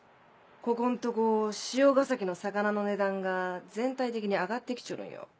ここんとこ汐ヶ崎の魚の値段が全体的に上がって来ちょるんよ。